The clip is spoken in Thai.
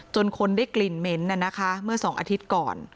จนคนได้กลิ่นเม้นต์น่ะนะคะเมื่อสองอาทิตย์ก่อน